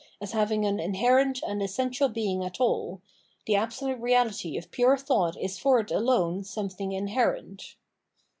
as having an inherent and essential being at ah, the Absolute Eeahty of pure thought is for it alone something inherent.